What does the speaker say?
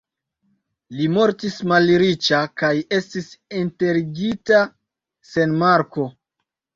Li mortis malriĉa kaj estis enterigita sen marko.